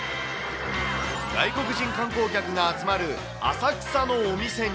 外国人観光客が集まる浅草のお店に。